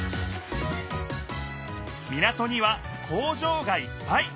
港には工場がいっぱい！